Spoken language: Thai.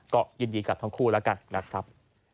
ก็ยินดีกับทั้งคู่แล้วกันนะครับ